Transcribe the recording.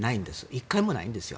１回もないんですよ。